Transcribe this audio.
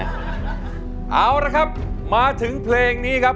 เอาละครับมาถึงเพลงนี้ครับ